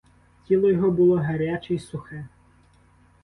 Тіло його було гаряче й сухе.